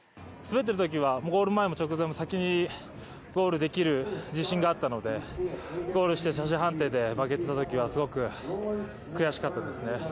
滑っているときはゴール前も直前も先にゴールできる自信があったのでゴールして写真判定で負けてたときは、すごく悔しかったですね。